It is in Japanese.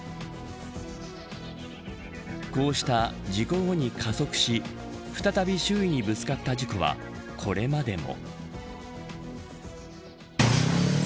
こうした、事故後に加速し再び周囲にぶつかった事故はこれまでも。